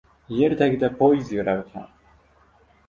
Yer tagida poyiz yurarkan.